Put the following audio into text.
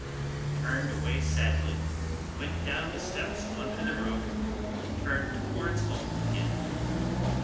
I turned away sadly, went down the steps on to the road and turned towards home again.